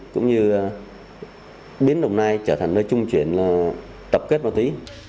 cũng như biến đồng nai trở thành nơi trung chuyển tập kết ma túy